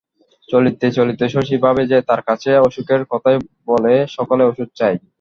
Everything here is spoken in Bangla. চলিতে চলিতে শশী ভাবে যে তার কাছে অসুখের কথাই বলে সকলে, ওষুধ চায়।